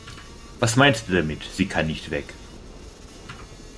Was meinst du damit, sie kann nicht weg?